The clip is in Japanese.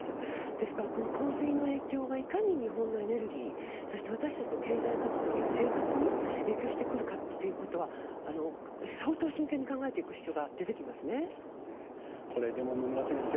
ですから、この洪水の影響がいかに日本のエネルギーそして、私たちの経済活動や生活に影響してくるかということは相当、真剣に考えていく必要がでも野村先生